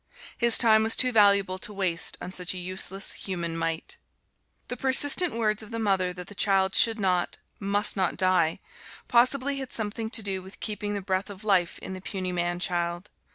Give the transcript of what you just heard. His time was too valuable to waste on such a useless human mite. The persistent words of the mother that the child should not, must not die, possibly had something to do with keeping the breath of life in the puny man child.